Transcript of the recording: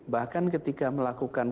bahkan ketika melakukan